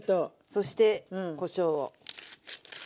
そしてこしょうを。